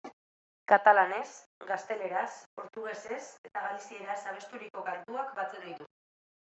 Katalanez, gazteleraz, portugesez eta galizieraz abesturiko kantuak batzen ditu.